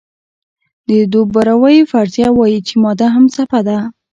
د دوبروی فرضیه وایي چې ماده هم څپه ده.